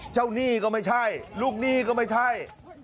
เจ้านี่ก็ไม่ใช่ลูกนี่ก็ไม่ใช่